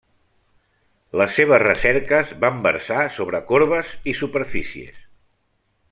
Les seves recerques van versar sobre corbes i superfícies.